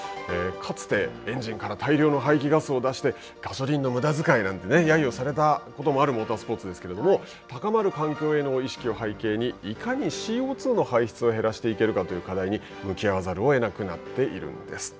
かつて、エンジンから大量の排気ガスを出して、ガソリンの無駄遣いなどとやゆされたこともあるモータースポーツですけれども高まる環境への意識を背景に、いかにＣＯ２の排出を減らしていけるかという課題に向き合わざるを得なくなっているんです。